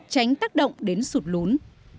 tránh tác động đến sụt lún